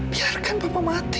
biarkan papa mati